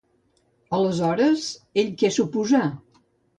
Aleshores, ell què suposà?